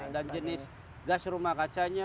dan jenis gas rumah kacanya